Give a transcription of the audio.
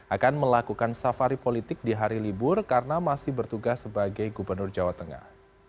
akan melakukan safari politik di hari libur karena masih bertugas sebagai gubernur jawa tengah